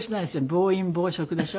暴飲暴食でしょ。